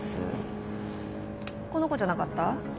この子じゃなかった？